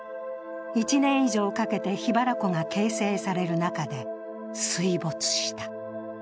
１年以上かけて檜原湖が形成される中で水没した。